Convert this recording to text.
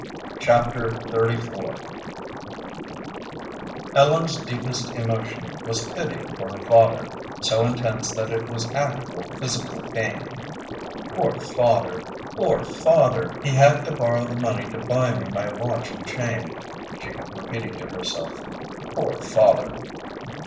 Chapter XXXIV Ellen's deepest emotion was pity for her father, so intense that it was actual physical pain. "Poor father! Poor father! He had to borrow the money to buy me my watch and chain," she kept repeating to herself. "Poor father!"